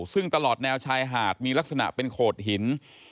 ซึ่งตลอดแนวชายหาดมีลักษณะเป็นโขดหิน